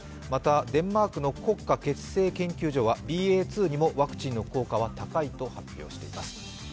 また、デンマークの国家血清研究所はＢＡ．２にもワクチンの効果は高いと発表しています。